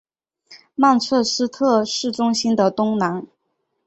曼彻斯特市中心的东南。